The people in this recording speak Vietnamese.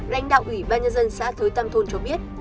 lãnh đạo ủy ban nhân dân xã thới tam thôn cho biết